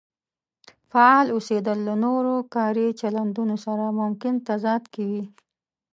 فعال اوسېدل له نورو کاري چلندونو سره ممکن تضاد کې وي.